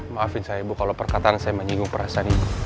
maafin saya ibu kalau perkataan saya menyinggung perasaan ibu